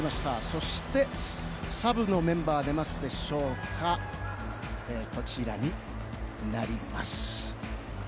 そして、サブのメンバーはこちらになります。